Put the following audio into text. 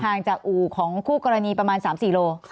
จากอู่ของคู่กรณีประมาณ๓๔โล